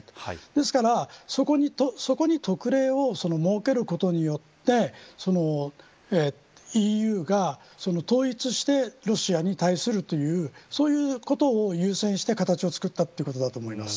ですから、そこに特例を設けることによってＥＵが統一してロシアに対するということを優先して形をつくったということだと思います。